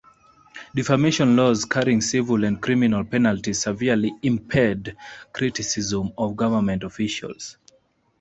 Defamation laws carrying civil and criminal penalties severely impede criticism of government officials.